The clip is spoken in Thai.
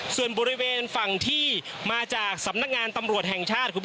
ส่วนบริเวณฝั่งที่มาจากสำนักงานตำรวจแห่งชาติ